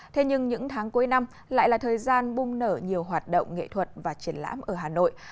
thế nhưng những tháng cuối năm lại là thời gian bung nở nhiều hoạt động nghệ thuật và triển lãm ở hà nội